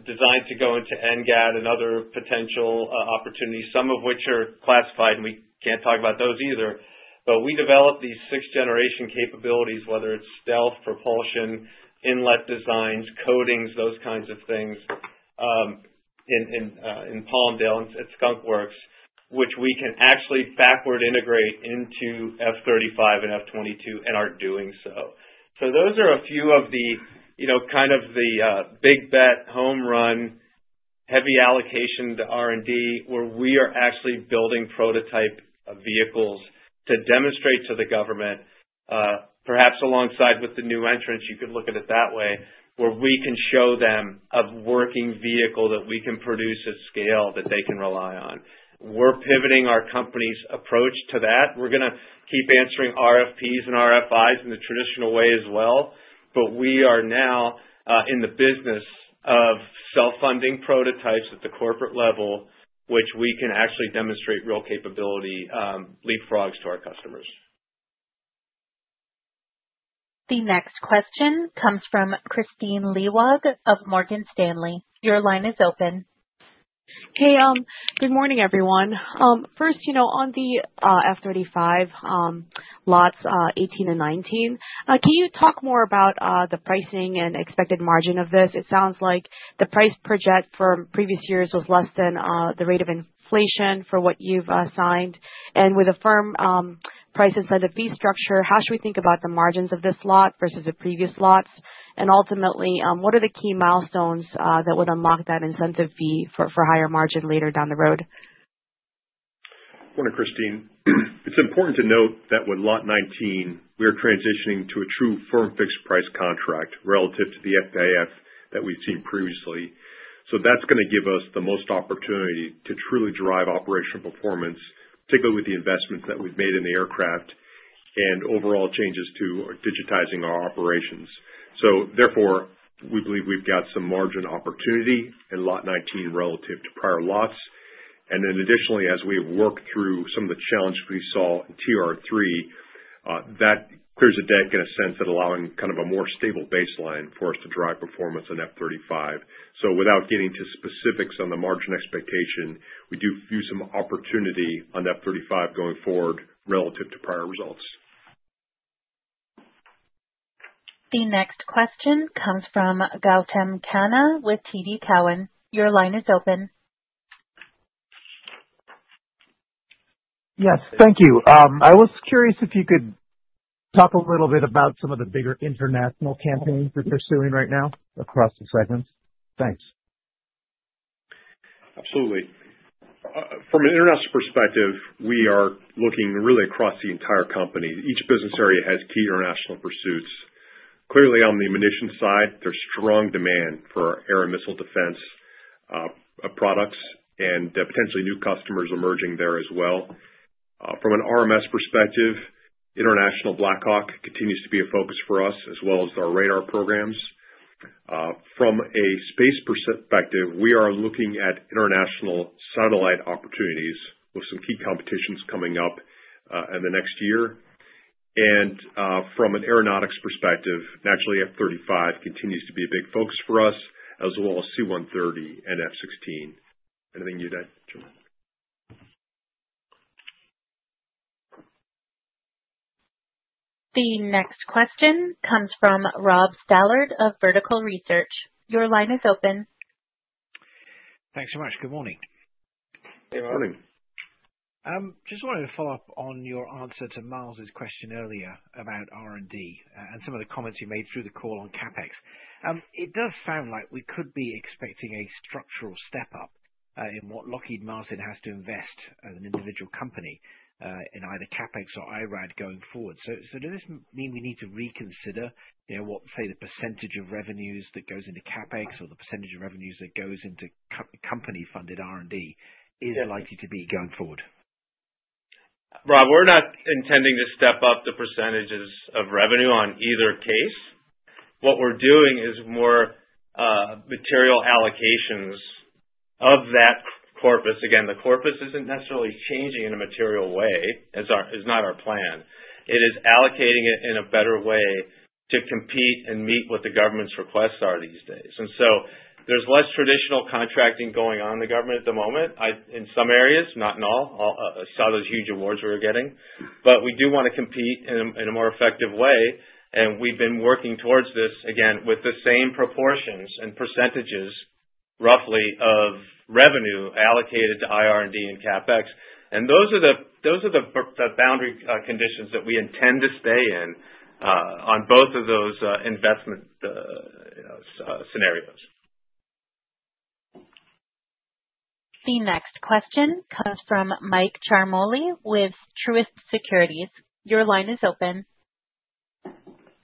designed to go into NGAD and other potential opportunities, some of which are classified, and we can't talk about those either, but we develop these sixth-generation capabilities, whether it's stealth, propulsion, inlet designs, coatings, those kinds of things in Palmdale and at Skunk Works, which we can actually backward integrate into F-35 and F-22 and are doing so. So those are a few of the kind of the big bet, home run, heavy allocation to R&D where we are actually building prototype vehicles to demonstrate to the government, perhaps alongside with the new entrance, you could look at it that way, where we can show them a working vehicle that we can produce at scale that they can rely on. We're pivoting our company's approach to that. We're going to keep answering RFPs and RFIs in the traditional way as well, but we are now in the business of self-funding prototypes at the corporate level, which we can actually demonstrate real capability, leapfrogs to our customers. The next question comes from Kristine Liwag of Morgan Stanley. Your line is open. Hey, good morning, everyone. First, on the F-35 Lots 18 and 19, can you talk more about the pricing and expected margin of this? It sounds like the price project for previous years was less than the rate of inflation for what you've assigned. And with a firm price incentive fee structure, how should we think about the margins of this lot versus the previous lots? And ultimately, what are the key milestones that would unlock that incentive fee for higher margin later down the road? Morning, Kristine. It's important to note that with Lot 19, we are transitioning to a true firm fixed price contract relative to the FAF that we've seen previously, so that's going to give us the most opportunity to truly drive operational performance, particularly with the investments that we've made in the aircraft and overall changes to digitizing our operations, so therefore, we believe we've got some margin opportunity in Lot 19 relative to prior Lots, and then additionally, as we have worked through some of the challenges we saw in TR-3, that clears a deck in a sense of allowing kind of a more stable baseline for us to drive performance on F-35, so without getting to specifics on the margin expectation, we do view some opportunity on F-35 going forward relative to prior results. The next question comes from Gautam Khanna with TD Cowen. Your line is open. Yes, thank you. I was curious if you could talk a little bit about some of the bigger international campaigns we're pursuing right now across the segments. Thanks. Absolutely. From an international perspective, we are looking really across the entire company. Each business area has key international pursuits. Clearly, on the munitions side, there's strong demand for air and missile defense products and potentially new customers emerging there as well. From an RMS perspective, International Black Hawk continues to be a focus for us as well as our radar programs. From a space perspective, we are looking at international satellite opportunities with some key competitions coming up in the next year. And from an Aeronautics perspective, naturally, F-35 continues to be a big focus for us, as well as C-130 and F-16. Anything you'd add, Jim? The next question comes from Rob Stallard of Vertical Research. Your line is open. Thanks so much. Good morning. Good morning. Just wanted to follow up on your answer to Myles's question earlier about R&D and some of the comments you made through the call on CapEx. It does sound like we could be expecting a structural step up in what Lockheed Martin has to invest as an individual company in either CapEx or IR&D going forward. So does this mean we need to reconsider what, say, the percentage of revenues that goes into CapEx or the percentage of revenues that goes into company-funded R&D is likely to be going forward? Rob, we're not intending to step up the percentages of revenue on either case. What we're doing is more material allocations of that corpus. Again, the corpus isn't necessarily changing in a material way, is not our plan. It is allocating it in a better way to compete and meet what the government's requests are these days. And so there's less traditional contracting going on in the government at the moment, in some areas, not in all. I saw those huge awards we were getting. But we do want to compete in a more effective way. And we've been working towards this, again, with the same proportions and percentages roughly of revenue allocated to IR&D and CapEx. And those are the boundary conditions that we intend to stay in on both of those investment scenarios. The next question comes from Mike Ciarmoli with Truist Securities. Your line is open.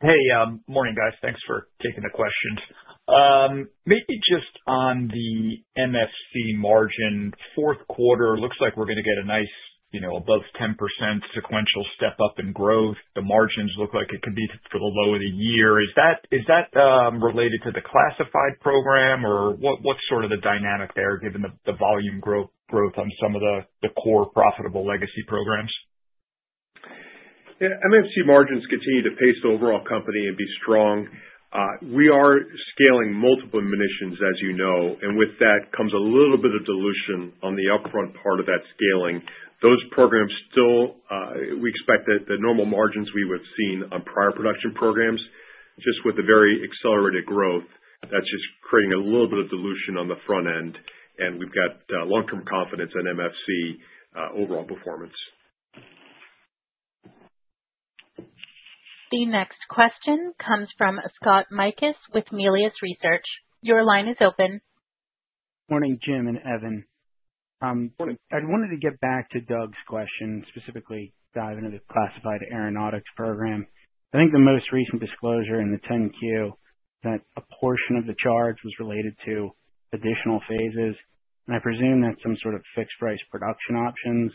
Hey, morning, guys. Thanks for taking the questions. Maybe just on the MSC margin, Q4, it looks like we're going to get a nice above 10% sequential step up in growth. The margins look like it could be for the low of the year. Is that related to the classified program, or what's sort of the dynamic there given the volume growth on some of the core profitable legacy programs? Yeah, MFC margins continue to pace the overall company and be strong. We are scaling multiple munitions, as you know, and with that comes a little bit of dilution on the upfront part of that scaling. Those programs still, we expect the normal margins we would have seen on prior production programs, just with the very accelerated growth. That's just creating a little bit of dilution on the front end, and we've got long-term confidence in MFC overall performance. The next question comes from Scott Mikus with Melius Research. Your line is open. Morning, Jim and Evan. I wanted to get back to Doug's question, specifically dive into the classified Aeronautics program. I think the most recent disclosure in the 10-Q that a portion of the charge was related to additional phases, and I presume that's some sort of fixed-price production options.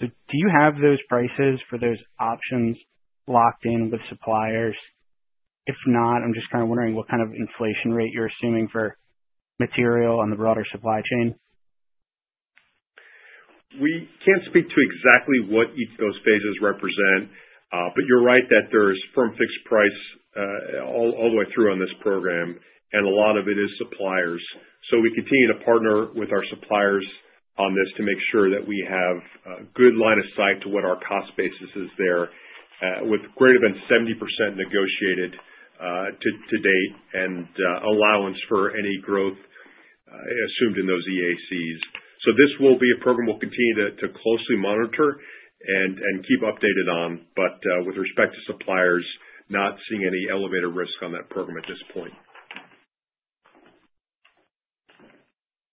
So do you have those prices for those options locked in with suppliers? If not, I'm just kind of wondering what kind of inflation rate you're assuming for material on the broader supply chain. We can't speak to exactly what each of those phases represent, but you're right that there's firm-fixed-price all the way through on this program, and a lot of it is suppliers. So we continue to partner with our suppliers on this to make sure that we have a good line of sight to what our cost basis is there, with greater than 70% negotiated to date and allowance for any growth assumed in those EACs. So this will be a program we'll continue to closely monitor and keep updated on, but with respect to suppliers, not seeing any elevated risk on that program at this point.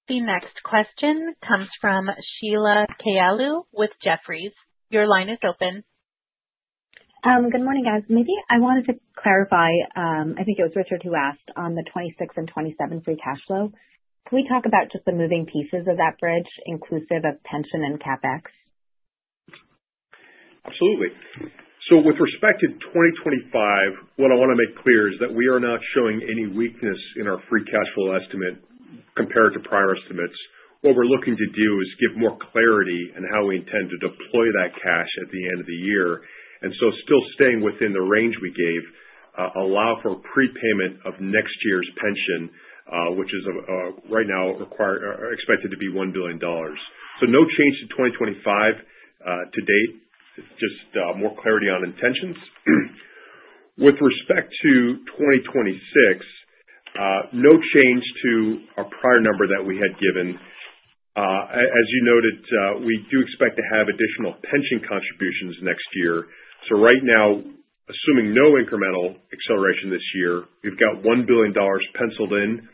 The next question comes from Sheila Kahyaoglu with Jefferies. Your line is open. Good morning, guys. Maybe I wanted to clarify, I think it was Richard who asked on the 2026 and 2027 free cash flow. Can we talk about just the moving pieces of that bridge, inclusive of pension and CapEx? Absolutely. So with respect to 2025, what I want to make clear is that we are not showing any weakness in our free cash flow estimate compared to prior estimates. What we're looking to do is give more clarity in how we intend to deploy that cash at the end of the year. And so still staying within the range we gave, allow for prepayment of next year's pension, which is right now expected to be $1 billion. So no change to 2025 to date, just more clarity on intentions. With respect to 2026, no change to our prior number that we had given. As you noted, we do expect to have additional pension contributions next year. So right now, assuming no incremental acceleration this year, we've got $1 billion penciled in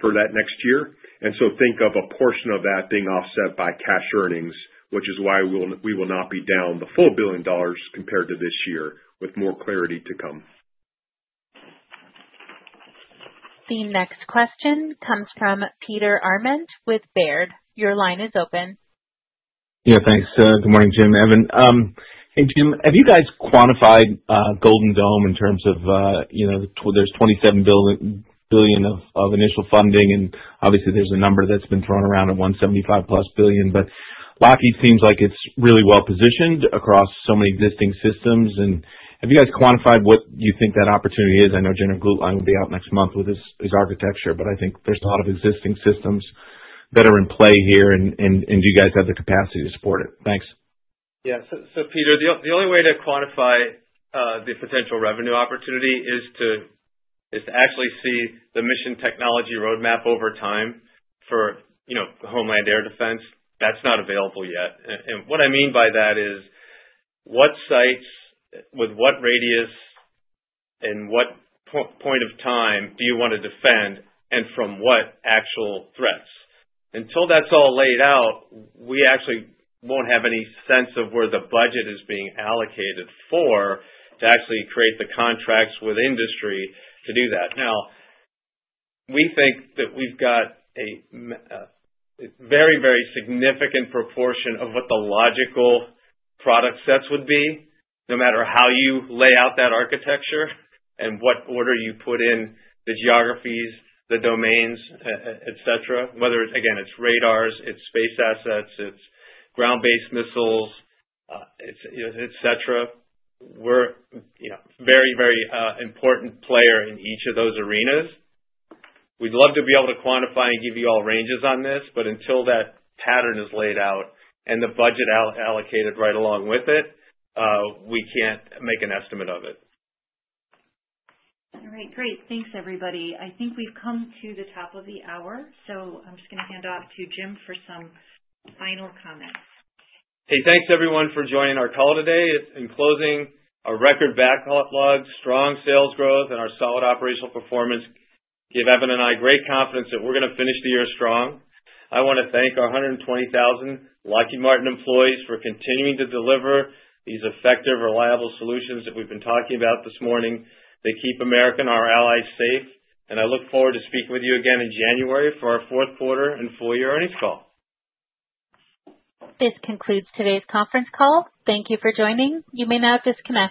for that next year. And so think of a portion of that being offset by cash earnings, which is why we will not be down the full $1 billion compared to this year with more clarity to come. The next question comes from Peter Arment with Baird. Your line is open. Yeah, thanks. Good morning, Jim and Evan. Hey, Jim, have you guys quantified Golden Dome in terms of there's $27 billion of initial funding, and obviously, there's a number that's been thrown around of $175 billion+, but Lockheed seems like it's really well positioned across so many existing systems. And have you guys quantified what you think that opportunity is? I know General Guillot would be out next month with his architecture, but I think there's a lot of existing systems that are in play here, and do you guys have the capacity to support it? Thanks. Yeah. So, Peter, the only way to quantify the potential revenue opportunity is to actually see the mission technology roadmap over time for Homeland Air Defense. That's not available yet. And what I mean by that is what sites, with what radius, and what point of time do you want to defend, and from what actual threats? Until that's all laid out, we actually won't have any sense of where the budget is being allocated for to actually create the contracts with industry to do that. Now, we think that we've got a very, very significant proportion of what the logical product sets would be, no matter how you lay out that architecture and what order you put in the geographies, the domains, etc., whether it's, again, it's radars, it's space assets, it's ground-based missiles, etc. We're a very, very important player in each of those arenas. We'd love to be able to quantify and give you all ranges on this, but until that pattern is laid out and the budget allocated right along with it, we can't make an estimate of it. All right. Great. Thanks, everybody. I think we've come to the top of the hour, so I'm just going to hand off to Jim for some final comments. Hey, thanks everyone for joining our call today. In closing, our record backlog, strong sales growth, and our solid operational performance give Evan and I great confidence that we're going to finish the year strong. I want to thank our 120,000 Lockheed Martin employees for continuing to deliver these effective, reliable solutions that we've been talking about this morning. They keep America, our allies, safe, and I look forward to speaking with you again in January for our Q4 and full year earnings call. This concludes today's conference call. Thank you for joining. You may now disconnect.